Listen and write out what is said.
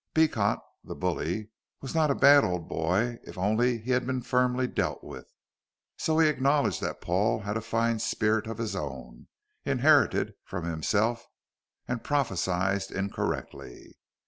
Beecot, the bully, was not a bad old boy if only he had been firmly dealt with, so he acknowledged that Paul had a fine spirit of his own, inherited from himself, and prophesied incorrectly.